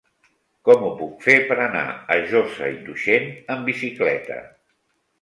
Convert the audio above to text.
Com ho puc fer per anar a Josa i Tuixén amb bicicleta?